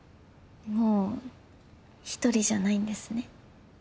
もう一人じゃないんですね。